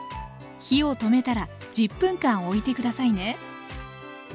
火を止めたら１０分間おいて下さいね。